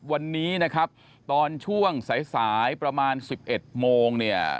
วันนี้นะครับตอนช่วงสายประมาณ๑๑โมง